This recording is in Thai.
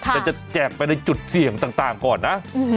แต่จะแจกไปในจุดเสี่ยงต่างก่อนนะ